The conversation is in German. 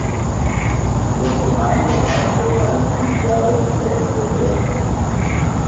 Der Gemeinderat wird alle fünf Jahre direkt gewählt.